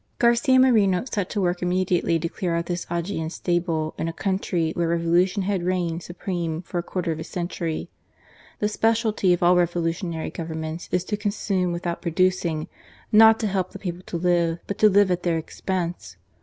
Garcia Moreno set to work immediately to clear out this Augean stable in a country where revolu tion had reigned supreme for a quarter of a century. The speciality of all revolutionary governments is to consume without producing ; not to help the people to live, but to live at their expense.